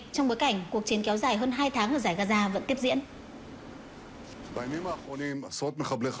trong bối cảnh cuộc chiến kéo dài hơn hai tháng ở giải gaza vẫn tiếp diễn